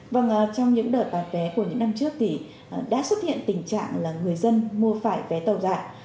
vâng trong những đợt bán vé của những năm trước thì đã xuất hiện tình trạng là người dân mua phải vé tàu giả